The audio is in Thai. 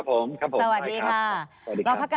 สวัสดีค่ะ